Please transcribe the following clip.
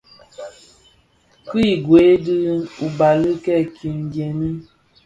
Ki ughèi di ubali kèki dheňi.